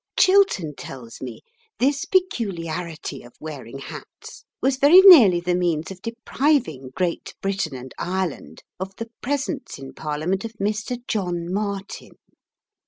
Chiltern tells me this peculiarity of wearing hats was very nearly the means of depriving Great Britain and Ireland of the presence in Parliament of Mr. John Martin.